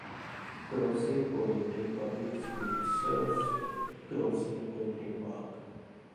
Grosse Pointe Public Schools serves Grosse Pointe Park.